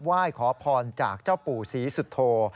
ไหว้ขอพรจากเจ้าปู่ศรีสุโธ